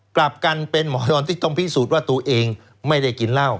กลับกันเป็นหมอนอนที่ต้องพิสูจน์ว่าตัวเองไม่ได้กินเหล้า